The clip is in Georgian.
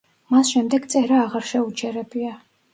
მას შემდეგ წერა აღარ შეუჩერებია.